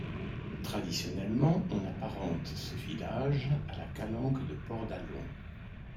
Traditionnellement on apparente ce village à la Calanque de Port d'Alon.